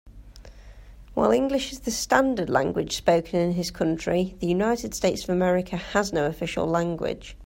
While English is the standard language spoken in his country, the United States of America has no official language.